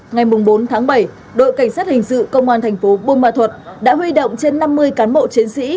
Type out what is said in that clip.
ngày bốn tháng bảy đội cảnh sát hình sự công an thành phố buôn ma thuật đã huy động trên năm mươi cán bộ chiến sĩ